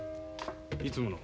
いつもの。